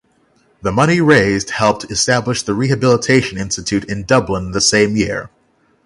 The money raised helped establish the Rehabilitation Institute in Dublin the same year.